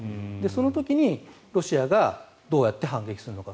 その時にロシアがどうやって反撃するのか。